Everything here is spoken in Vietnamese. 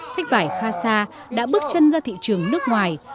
sách vải khasha đã bước chân ra thị trường nước ngoài